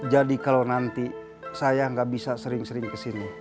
jadi kalau nanti saya gak bisa sering sering kesini